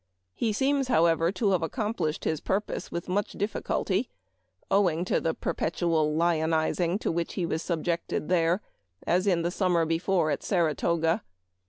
He seems, however, to have accomplished his purpose with much difficulty, owing to the perpetual lionizing to which he was subjected there, as in the sum mer before at Saratoga.